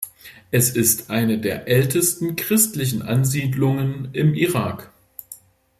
Es ist eine der ältesten christlichen Ansiedlungen im Irak.